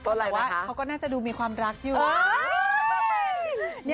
แต่ว่าเขาก็น่าจะดูมีความรักด้วย